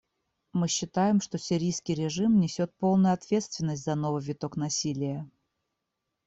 Мы считаем, что сирийский режим несет полную ответственность за новый виток насилия.